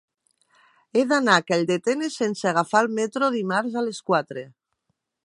He d'anar a Calldetenes sense agafar el metro dimarts a les quatre.